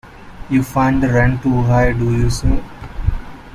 You find the rent too high, do you, sir?